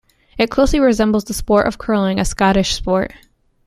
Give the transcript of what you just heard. It closely resembles the sport of Curling, a Scottish sport.